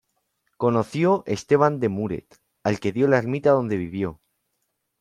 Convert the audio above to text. Conoció Esteban de Muret, al que dio la ermita donde vivió.